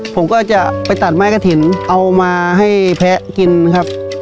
ผมก็จะไปตัดไม้กระถิ่นเอามาให้แพ้กินครับ